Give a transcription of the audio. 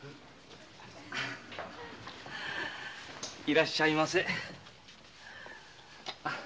いらっしゃいませ。